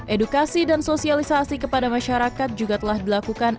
edukasi dan sosialisasi kepada masyarakat juga telah dilakukan